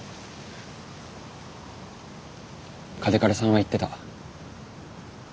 嘉手刈さんは言ってた。